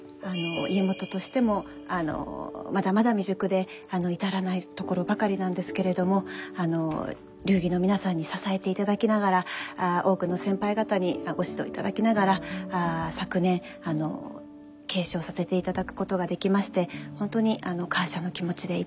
家元としてもまだまだ未熟で至らないところばかりなんですけれども流儀の皆さんに支えていただきながら多くの先輩方にご指導いただきながら昨年継承させていただくことができまして本当に感謝の気持ちでいっぱいです。